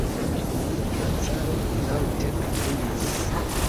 La caro laŭte ekkriis.